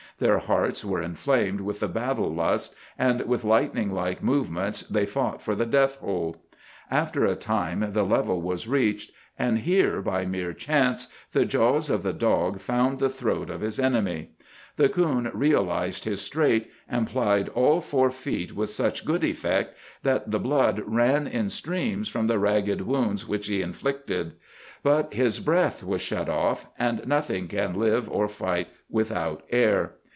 Their hearts were inflamed with the battle lust, and with lightning like movements they fought for the death hold. After a time the level was reached, and here, by mere chance, the jaws of the dog found the throat of his enemy. The coon realized his strait, and plied all four feet with such good effect that the blood ran in streams from the ragged wounds which he inflicted. But his breath was shut off, and nothing can live or fight without air.